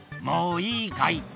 「もういいかい？」